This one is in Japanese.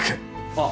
あっ！